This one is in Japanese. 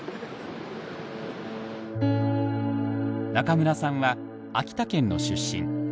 中村さんは秋田県の出身。